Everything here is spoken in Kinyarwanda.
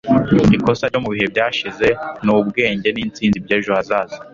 ikosa ryo mu bihe byashize ni ubwenge n'intsinzi by'ejo hazaza